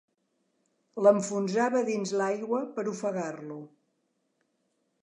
L'enfonsava dins l'aigua per ofegar-lo.